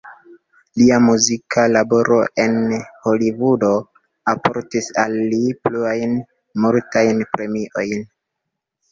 Lia muzika laboro en Holivudo alportis al li pluajn multajn premiojn.